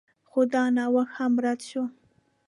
خو دا نوښت هم رد شو